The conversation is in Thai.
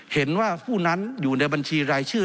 เห็นว่าผู้นั้นอยู่ในบัญชีรายชื่อ